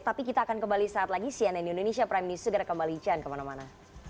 tapi kita akan kembali saat lagi cnn indonesia prime news segera kembali jangan kemana mana